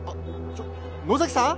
ちょっ野崎さん？